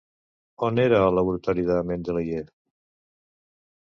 On era el laboratori de Mendeléiev?